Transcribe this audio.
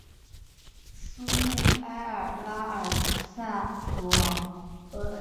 苏穆埃尔拉尔萨国王。